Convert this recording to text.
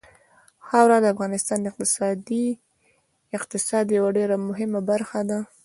خاوره د افغانستان د اقتصاد یوه ډېره مهمه برخه ده.